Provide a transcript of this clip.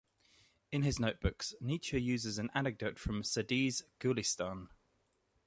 In his notebooks, Nietzsche uses an anecdote from Sa'di's "Gulistan".